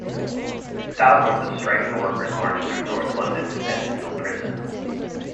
Thousands of striking workers marched through North London to Pentonville Prison.